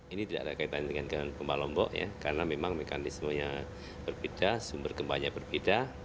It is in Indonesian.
ini tidak ada kaitan dengan gempa lombok ya karena memang mekanismenya berbeda sumber gempanya berbeda